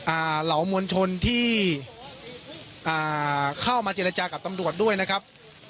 เหล่ามวลชนที่อ่าเข้ามาเจรจากับตำรวจด้วยนะครับ